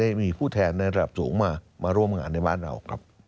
ได้มีผู้แทนในระดับสูงมามาร่วมงานในบ้านเราครับ